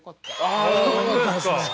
あ本当ですか。